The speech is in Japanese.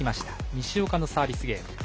西岡のサービスゲーム。